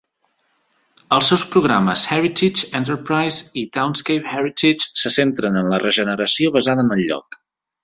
Els seus programes Heritage Enterprise i Townscape Heritage se centren en la regeneració basada en el lloc.